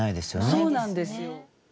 そうなんですよ。